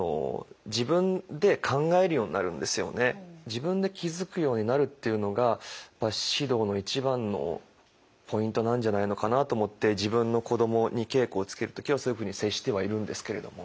自分で気づくようになるっていうのが指導の一番のポイントなんじゃないのかなと思って自分の子どもに稽古をつける時はそういうふうに接してはいるんですけれども。